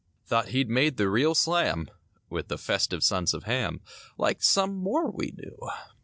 Thought he'd made the real slam With the festive sons of Ham— Like some more we know.